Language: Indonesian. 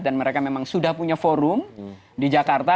dan mereka memang sudah punya forum di jakarta